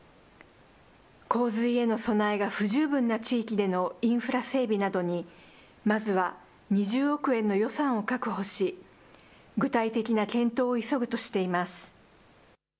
洪水への備えが不十分な地域でのインフラ整備などに、まずは２０億円の予算を確保し、具体的な検討を急ぐとしています。